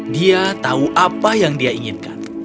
dia tahu apa yang dia inginkan